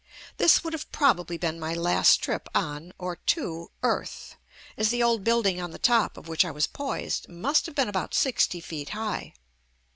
l This would have probably been my last trip on or to earth, as the old building on the top of which I was poised must have been about sixty feet high.